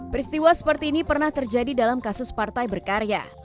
peristiwa seperti ini pernah terjadi dalam kasus partai berkarya